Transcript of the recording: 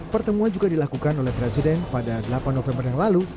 pertemuan juga dilakukan oleh presiden pada delapan november yang lalu